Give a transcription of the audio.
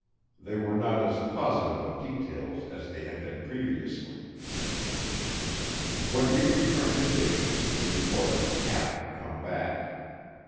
They were not as positive of details as they had been previously. When we returned to Dayton, the report on the cap had come back.